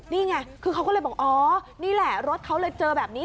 นี่ไงคือเขาก็เลยบอกอ๋อนี่แหละรถเขาเลยเจอแบบนี้